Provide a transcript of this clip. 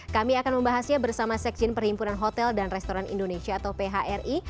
kami akan membahasnya bersama sekjen perhimpunan hotel dan restoran indonesia atau phri